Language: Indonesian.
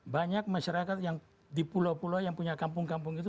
banyak masyarakat yang di pulau pulau yang punya kampung kampung itu